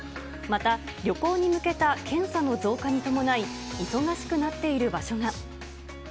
また、旅行に向けた検査の増加に伴い、忙しくなっている場所が。